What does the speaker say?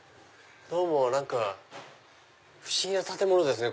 何か不思議な建物ですね